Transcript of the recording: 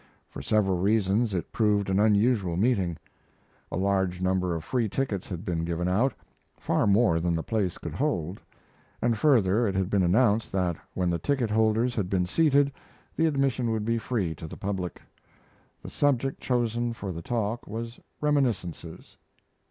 For several reasons it proved an unusual meeting. A large number of free tickets had been given out, far more than the place would hold; and, further, it had been announced that when the ticket holders had been seated the admission would be free to the public. The subject chosen for the talk was "Reminiscences."